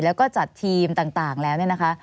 แล้วก็จัดทีมต่างแล้ว